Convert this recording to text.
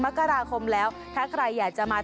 มกราคมแล้วถ้าใครอยากจะมา